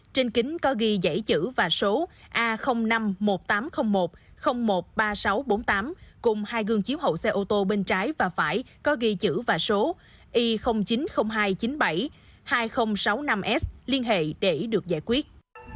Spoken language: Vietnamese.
trên kính có ghi dãy chữ và số a năm mươi một nghìn tám trăm linh một một mươi ba nghìn sáu trăm bốn mươi tám cùng hai gương chiếu hậu xe ô tô bên trái và phải có ghi chữ và số i chín mươi nghìn hai trăm chín mươi bảy hai nghìn sáu mươi năm s liên hệ để được giải quyết